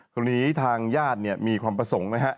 คราวนี้ทางญาติมีความประสงค์ไหมฮะ